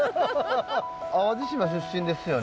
淡路島出身ですよね。